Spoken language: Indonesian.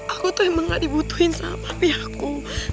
aku tuh emang gak dibutuhin sama papi aku